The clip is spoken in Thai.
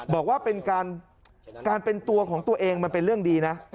บอกว่าเป็นการเป็นตัวของตัวเองมันเป็นเรื่องดีนะ